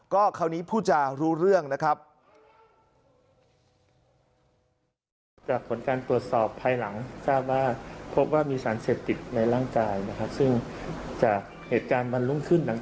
ก็คราวนี้ผู้จารู้เรื่องนะครับ